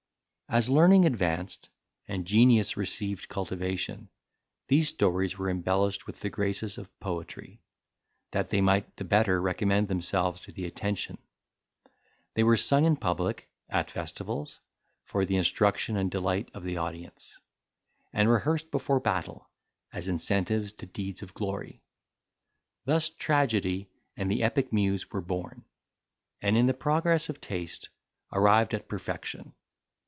As learning advanced, and genius received cultivation, these stories were embellished with the graces of poetry, that they might the better recommend themselves to the attention; they were sung in public, at festivals, for the instruction and delight of the audience; and rehearsed before battle, as incentives to deeds of glory. Thus tragedy and the epic muse were born, and, in the progress of taste, arrived at perfection.